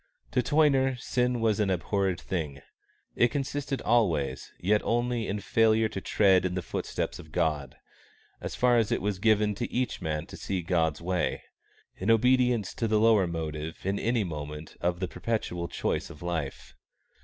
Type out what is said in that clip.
To Toyner sin was an abhorred thing. It consisted always, yet only, in failure to tread in the foot prints of God, as far as it was given to each man to see God's way in obedience to the lower motive in any moment of the perpetual choice of life.